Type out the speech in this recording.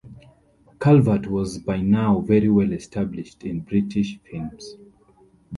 Calvert was by now very well established in British films.